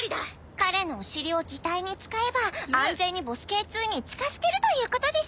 彼のお尻を擬態に使えば安全にボスＫ−２に近づけるということです。